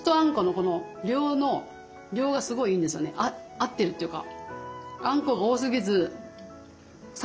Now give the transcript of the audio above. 合ってるっていうか。